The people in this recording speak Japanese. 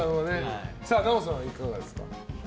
奈緒さんはいかがですか。